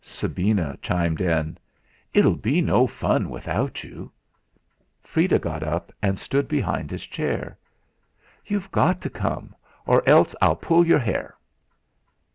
Sabina chimed in: "It'll be no fun without you." Freda got up and stood behind his chair. "You've got to come, or else I'll pull your hair!"